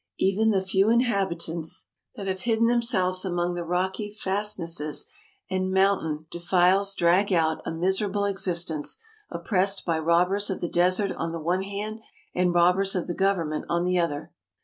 Even the few inhabitants that 272 TRAVELERS AND EXPLORERS have hidden themselves among the rocky fastnesses and mountain defiles drag out a miserable existence, oppressed by robbers of the desert on the one hand and robbers of the government on the other.